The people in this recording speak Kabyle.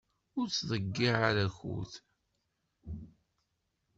Ur ttḍeyyiɛeɣ akud.